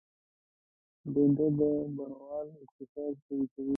بېنډۍ د بڼوال اقتصاد قوي کوي